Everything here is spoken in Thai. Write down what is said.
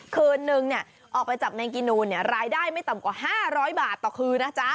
คืนนึงออกไปจับแมงกินูนรายได้ไม่ต่ำกว่า๕๐๐บาทต่อคืนนะจ๊ะ